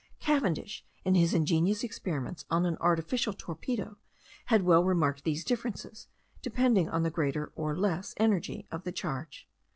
Cavendish, in his ingenious experiments on an artificial torpedo, had well remarked these differences, depending on the greater or less energy of the charge.